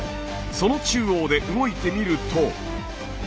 その中央で動いてみると。